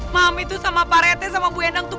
mami tuh sama pak rete sama bu yandang tuh